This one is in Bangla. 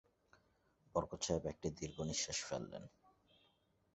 বরকত সাহেব একটি দীর্ঘনিঃশ্বাস ফেললেন।